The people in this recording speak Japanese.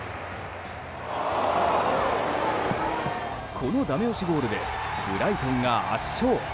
このダメ押しゴールでブライトンが圧勝。